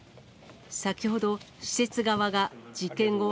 先ほど、施設側が事件後